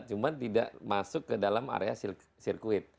cuma tidak masuk ke dalam area sirkuit